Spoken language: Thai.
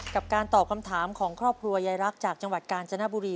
กับการตอบคำถามของครอบครัวยายรักจากจังหวัดกาญจนบุรี